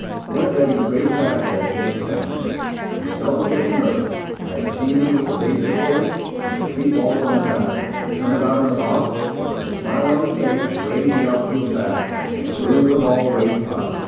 One of Eddie's greatest assets is his temperament. He seldom gets nervous. I have seen him with the bases full, and with three balls on the batter, turn about in the box with a smile on his face, wave the outfield back, and then groove the ball waist high.